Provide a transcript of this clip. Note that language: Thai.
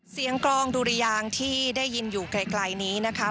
เสียงกลองดูริยางที่ได้ยินอยู่ใกล้นี้นะคะ